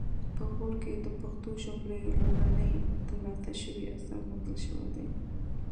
په غور کې د پښتو ژبې لومړنی ترلاسه شوی اثر موندل شوی دی